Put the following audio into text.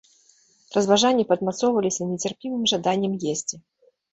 Разважанні падмацоўваліся нецярпімым жаданнем есці.